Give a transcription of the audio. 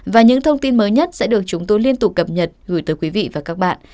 và những thông tin mới nhất sẽ được chúng tôi liên tục cập nhật gửi tới quý vị và các bạn